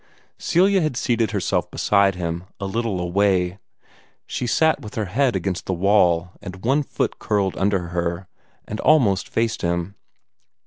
Celia had seated herself beside him, a little away. She sat with her head against the wall, and one foot curled under her, and almost faced him.